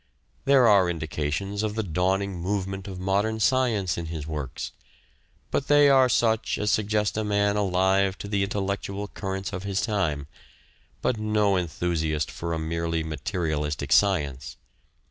There are indications of the dawning movement of modern science in his works, but they are such as suggest a man alive to the intellectual currents of his time, but no enthusiast for a merely materialistic science.